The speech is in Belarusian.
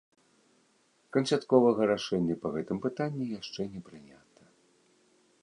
Канчатковага рашэння па гэтым пытанні яшчэ не прынята.